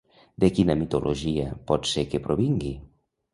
De quina mitologia pot ser que provingui?